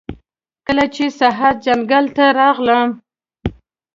کله چې سهار ځنګل ته راغلم